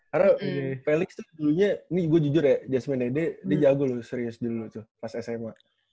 karena felix tuh dulunya ini gua jujur ya jasmine dia jago loh serius dulu tuh pas sma